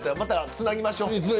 つなぎましょう。